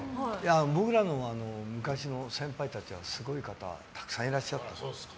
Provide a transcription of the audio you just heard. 僕らの昔の先輩たちはすごい方たくさんいらっしゃった。